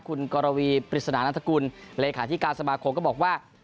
คุณกรวีปริศนานัฐกุลเลขาธิการสมาคมก็บอกว่า